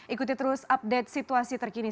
ikuti terus update situasi terkini